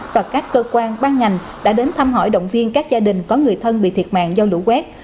và các cơ quan ban ngành đã đến thăm hỏi động viên các gia đình có người thân bị thiệt mạng do lũ quét